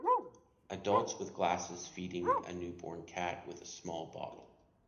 Adults with glasses feeding a new born cat with a small bottle.